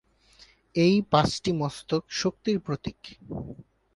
এই পাঁচটি মস্তক শক্তির প্রতীক।